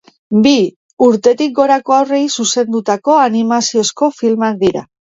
Bi urtetik gorako haurrei zuzendutako animaziozko filmak dira.